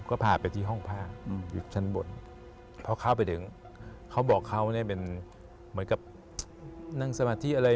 ก็พาไปที่ห้องผ้าอยู่ชั้นบนพอเข้าไปถึงเขาบอกเขาเนี่ยเป็นเหมือนกับนั่งสมาธิอะไร